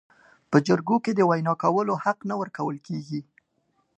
په جرګو کې د وینا کولو حق نه ورکول کیږي.